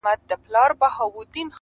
ستا د ژبې کيفيت او معرفت دی,